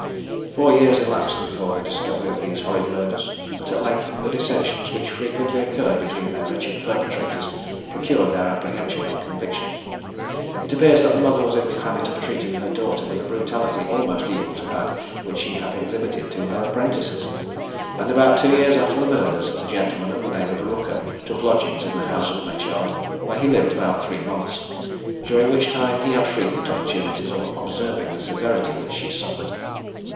Four years elapsed before the discovery of these horrid murders; but at length the dissensions which frequently occurred between their wretched perpetrators procured their apprehension and conviction. It appears that the mother was in the habit of treating her daughter with a brutality almost equal to that which she had exhibited to her apprentices, and about two years after the murders a gentleman of the name of Rooker took lodgings in the house of Metyard, where he lived about three months, during which time he had frequent opportunities of observing the severity which she suffered.